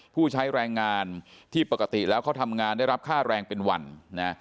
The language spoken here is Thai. ผู้ใช้แรงงานที่ปกติแล้วเขาทำงานได้รับค่าแรงเป็นวันนะ